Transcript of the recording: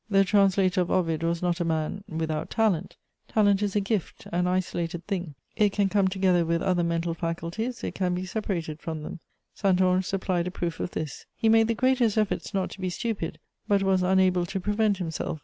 The translator of Ovid was not a man without talent; talent is a gift, an isolated thing: it can come together with other mental faculties, it can be separated from them. Saint Ange supplied a proof of this; he made the greatest efforts not to be stupid, but was unable to prevent himself.